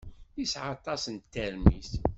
Yesɛa aṭas n tarmit.